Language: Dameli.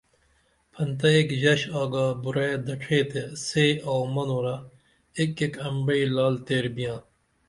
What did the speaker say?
پھنتہ ایک ژیڜ آگا بُرعیے دڇھے تے سے آوو منورہ ایک ایک امبعی لعل تیر بیاں